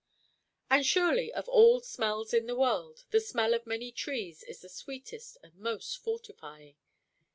And surely of all smells in the world, the smell of many trees is the sweetest and most fortifying.